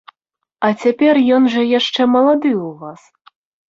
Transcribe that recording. А цяпер ён жа яшчэ малады ў вас.